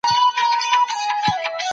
د سړک پر سر کثافات مه غورځوئ.